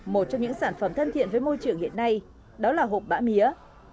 một trong những sản phẩm thân thiện với môi trường hiện nay đó là hộp bã mía